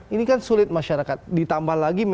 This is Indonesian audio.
ini kan sulit masyarakat ditambah lagi mendagri ini ya